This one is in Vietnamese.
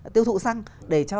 tiêu thụ xăng để cho